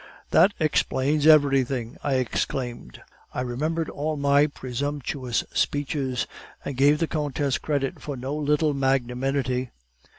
"'That explains everything!' I exclaimed. I remembered all my presumptuous speeches, and gave the countess credit for no little magnanimity.